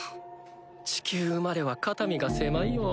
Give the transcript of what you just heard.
地球生まれは肩身が狭いよ。